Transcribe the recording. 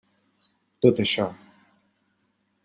Tot això.